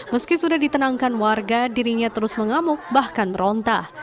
meski sudah ditenangkan warga dirinya terus mengamuk bahkan meronta